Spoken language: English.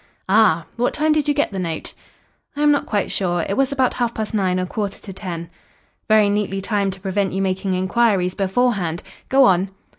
"Ah! What time did you get the note?" "I am not quite sure. It was about half past nine or quarter to ten." "Very neatly timed to prevent you making inquiries beforehand. Go on."